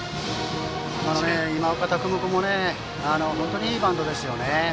今岡拓夢君も本当にいいバントでしたね。